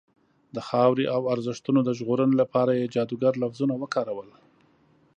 د خاورې او ارزښتونو د ژغورنې لپاره یې جادوګر لفظونه وکارول.